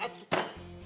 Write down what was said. atuh kena tahan